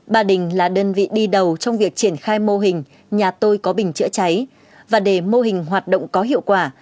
bà đình là đơn vị đi đầu trong việc triển khai mô hình nhà tôi có bình chữa cháy và để mô hình hoạt động có hiệu quả